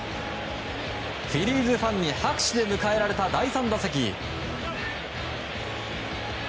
フィリーズファンに拍手で迎えられた第３打席。